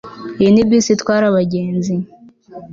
Iyi ni bisi itwara abagenzi